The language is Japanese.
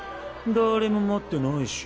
誰も待ってないし。